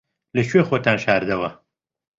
لەکوێ خۆتان شاردەوە؟